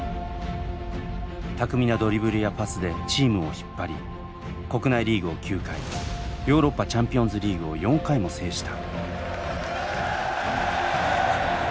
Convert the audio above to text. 巧みなドリブルやパスでチームを引っ張り国内リーグを９回ヨーロッパチャンピオンズリーグを４回も制した。